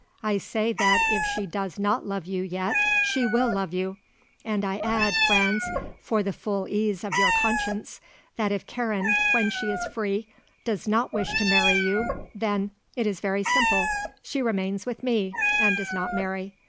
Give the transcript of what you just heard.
I say that if she does not love you yet, she will love you; and I add, Franz, for the full ease of your conscience, that if Karen, when she is free, does not wish to marry you, then it is very simple she remains with me and does not marry.